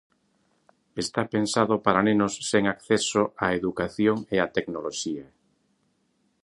Está pensado para nenos sen acceso á educación e á tecnoloxía.